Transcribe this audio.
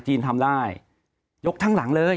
จีนทำได้ยกทางหลัง